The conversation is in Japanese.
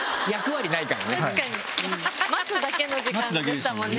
待つだけの時間でしたもんね。